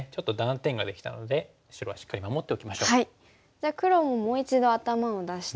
じゃあ黒ももう一度頭を出しておきますか。